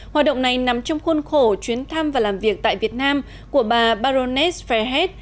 hoạt động này nằm trong khuôn khổ chuyến thăm và làm việc tại việt nam của bà baroness fairhead